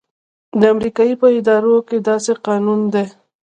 د امریکې په ادارو کې داسې قانون دی.